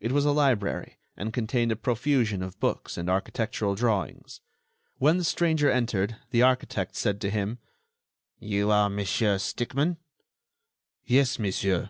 It was a library, and contained a profusion of books and architectural drawings. When the stranger entered, the architect said to him: "You are Monsieur Stickmann?" "Yes, monsieur."